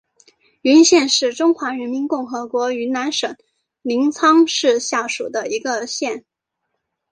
云县是中华人民共和国云南省临沧市下属的一个县。